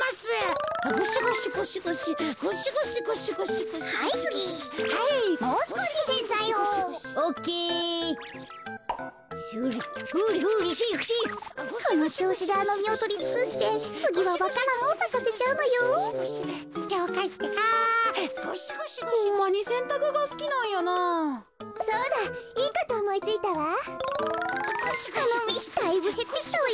あのみだいぶへってきたわよ。